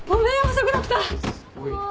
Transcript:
遅くなった！